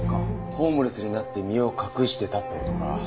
ホームレスになって身を隠してたって事か。